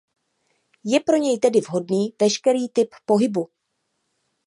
Je pro něj tedy vhodný veškerý typ pohybu.